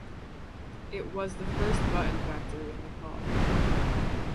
It was the first button factory in Nepal.